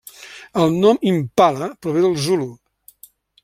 El nom impala prové del zulu.